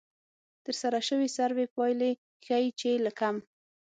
د ترسره شوې سروې پایلې ښيي چې له کم